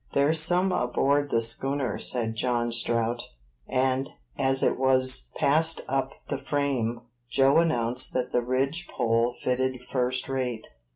"There's some aboard the schooner," said John Strout; and, as it was passed up the frame, Joe announced that the ridge pole fitted first rate.